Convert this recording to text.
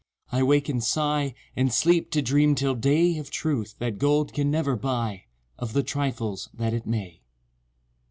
—I wake and sigh, And sleep to dream till day Of truth that gold can never buy— Of the trifles that it may.